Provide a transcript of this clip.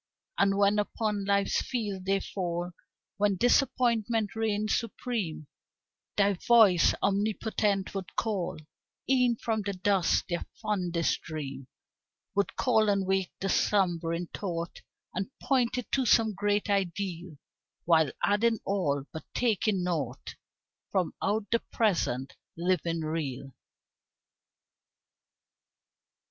And when upon Life's field they fall, When Disappointment reigns supreme, Thy voice, omnipotent, would call E'en from the dust their fondest dream; Would call and wake the slumbering thought, And point it to some great ideal While adding all, but taking naught From out the present, living real.